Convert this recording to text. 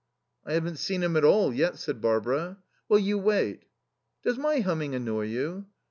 "I haven't seen him at all yet," said Barbara. "Well, you wait.... Does my humming annoy you?"